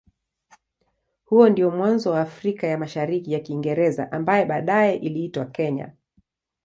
Huo ndio mwanzo wa Afrika ya Mashariki ya Kiingereza ambaye baadaye iliitwa Kenya.